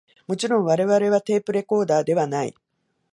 もちろん我々はテープレコーダーではない